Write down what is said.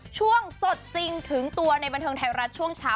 ช่วงสดจริงถึงตัวในบันเทิงไทยรัฐช่วงเช้า